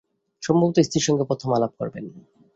সম্ভবত স্ত্রীর সঙ্গে প্রথম আলাপ করবেন।